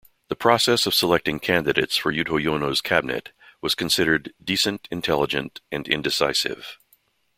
The process of selecting candidates for Yudhoyono's cabinet was considered "decent, intelligent, and indecisive".